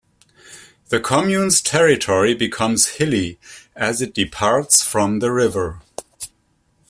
The commune's territory becomes hilly as it departs from the river.